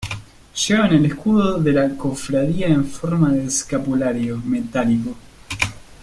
Llevan el escudo de la cofradía en forma de escapulario metálico.